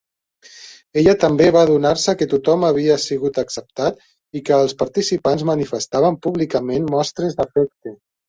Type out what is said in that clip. Ella també va adonar-se que tothom havia sigut acceptat i que els participants manifestaven públicament mostres d'afecte.